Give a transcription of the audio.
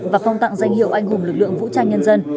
và phong tặng danh hiệu anh hùng lực lượng vũ trang nhân dân